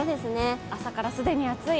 朝から既に暑い。